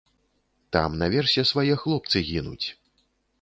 Там наверсе свае хлопцы гінуць!